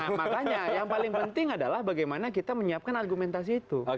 nah makanya yang paling penting adalah bagaimana kita menyiapkan argumentasi itu